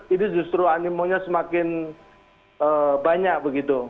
ini justru animonya semakin banyak begitu